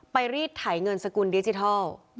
ไปรีดถ่ายเงินสกุลดิจิทัล